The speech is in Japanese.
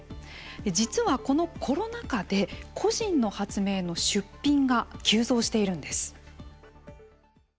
実は、このコロナ禍で、個人の発明の出品が急増しているんです。